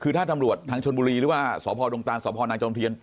คือถ้าดำรวจทางชนบุรีหรือว่าส่อโพดงตรานส่อผอนางจงเทียน